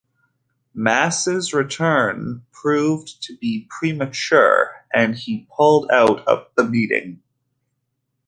Mass' return proved to be premature and he pulled out of the meeting.